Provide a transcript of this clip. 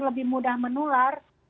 lebih mudah menular